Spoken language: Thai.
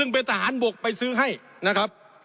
ไปซื้อให้นะครับ